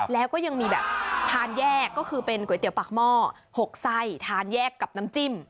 แล้วก็ยังมีแบบทานแยกก็คือเป็นก๋วยเตี๋ยวปากหม้อ๖ไส้ทานแยกกับน้ำจิ้ม